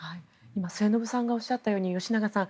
今、末延さんがおっしゃったように吉永さん